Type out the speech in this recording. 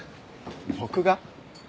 僕が？